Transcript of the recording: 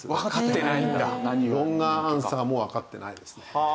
ロングアンサーもわかってないですね。